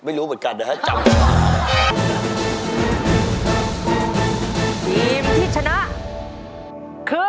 ไม่รู้เหมือนกันเด้ยค่ะ